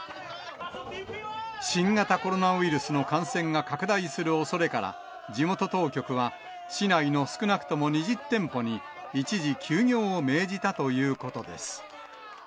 新型コロナウイルスの感染が拡大するおそれから、地元当局は、市内の少なくとも２０店舗に、一時休業を命じたということです。